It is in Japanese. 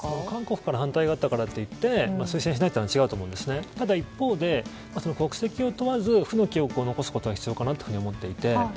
韓国から反対があったからといって推薦しないのは違うと思うんですが、一方で国籍を問わず負の記録を残すのは必要かなと思っていて。